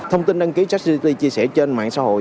thông tin đăng ký chách gbt chia sẻ trên mạng xã hội